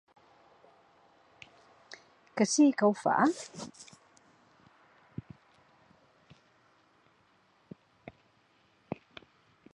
Qui sí que ho fa?